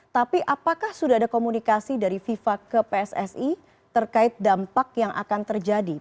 tapi apakah sudah ada komunikasi dari fifa ke pssi terkait dampak yang akan terjadi